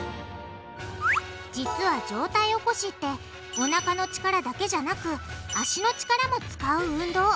実は上体起こしっておなかの力だけじゃなく脚の力も使う運動